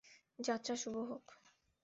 যাত্রা শুভ হোক।